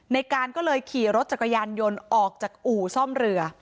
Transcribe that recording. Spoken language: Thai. ในการก็เลยขี่รถจักรยานยนต์ออกจากอู่ซ่อมเรือ